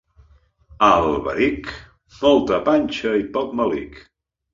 A Alberic, molta panxa i poc melic.